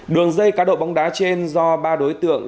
đường dây cá độ bóng đá trên do ba đối tượng